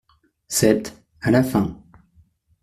sept, à la fin.